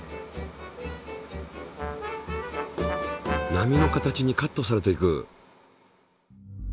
波の形にカットされていく。